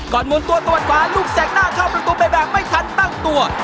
หมุนตัวตะวันขวาลูกแสกหน้าเข้าประตูไปแบบไม่ทันตั้งตัว